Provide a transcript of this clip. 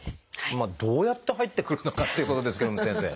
どうやって入ってくるのかっていうことですけども先生。